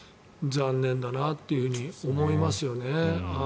残念だなというふうに思いますよね。